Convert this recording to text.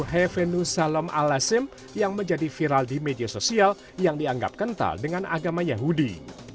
hevenu salom alasim yang menjadi viral di media sosial yang dianggap kental dengan agama yahudi